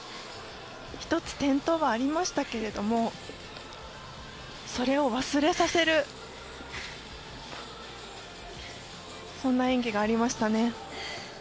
１つ転倒はありましたけれどもそれを忘れさせるそんな演技がありましたね。